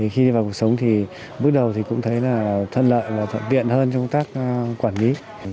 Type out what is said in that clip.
khi đi vào cuộc sống thì bước đầu cũng thấy là thân lợi và thuận viện hơn trong tác quản lý